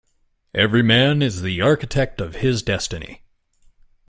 Every man is the architect of his destiny.